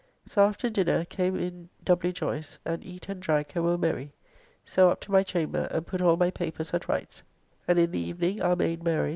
So after dinner came in W. Joyce and eat and drank and were merry. So up to my chamber, and put all my papers, at rights, and in the evening our maid Mary.